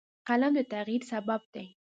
قلم د تغیر سبب دی